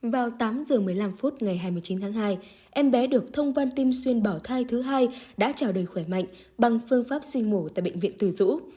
vào tám giờ một mươi năm phút ngày hai mươi chín tháng hai em bé được thông văn tim xuyên bỏ thai thứ hai đã chào đời khỏe mạnh bằng phương pháp sinh mổ tại bệnh viện từ dũ